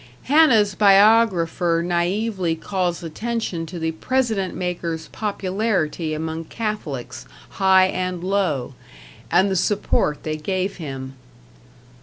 Hanna's biographer naively calls attention to the President maker's popularity among Catholics, high and low, and the support they gave him.